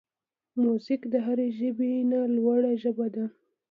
موزیک د هر ژبې نه لوړه ژبه ده.